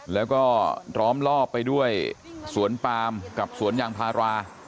แล้วก็ล้อมรอบไปด้วยสวนปามกับสวนยางพารา